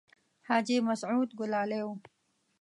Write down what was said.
حاجي مسعود ګلالی و.